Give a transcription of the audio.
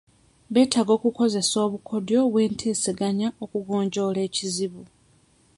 Beetaaga okukozesa obukodyo bw'enteesaganya okugonjoola ekizibu.